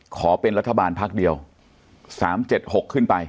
ขอเป็นรัฐบาลภาคเดียวสามเจ็ดหกขึ้นไป